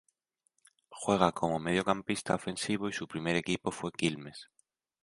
Juega como mediocampista ofensivo y su primer equipo fue Quilmes.